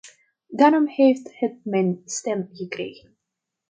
Daarom heeft het mijn stem gekregen.